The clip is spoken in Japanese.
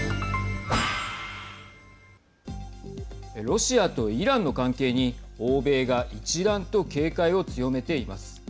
ロシアとイランの関係に欧米が一段と警戒を強めています。